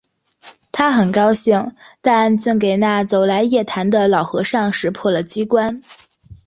他很高兴；但竟给那走来夜谈的老和尚识破了机关